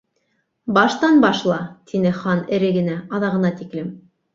—Баштан башла, —тине Хан эре генә, —аҙағына тиклем